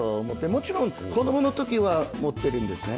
もちろん子どものときは持ってるんですね。